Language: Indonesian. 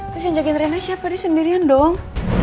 terus yang jagain trennya siapa nih sendirian dong